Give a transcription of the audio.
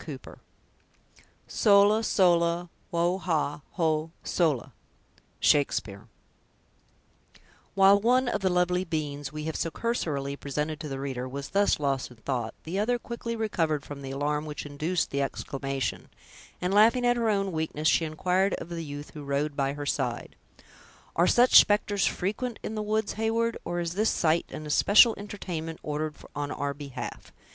CHAPTER II. "Sola, sola, wo ha, ho, sola!" —Shakespeare While one of the lovely beings we have so cursorily presented to the reader was thus lost in thought, the other quickly recovered from the alarm which induced the exclamation, and, laughing at her own weakness, she inquired of the youth who rode by her side: "Are such specters frequent in the woods, Heyward, or is this sight an especial entertainment ordered on our behalf?